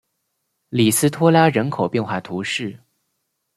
里斯托拉人口变化图示